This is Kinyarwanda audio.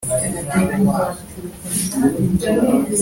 Kandi uko zari zimeze uko ari enye zarasaga